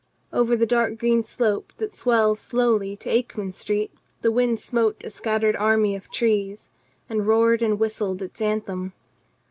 Over the dark green slope that swells slowly to Akeman Street the wind smote a scattered army of trees, and roared and whistled its anthem.